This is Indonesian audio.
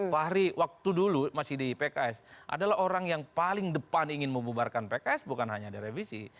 fahri waktu dulu masih di pks adalah orang yang paling depan ingin membubarkan pks bukan hanya direvisi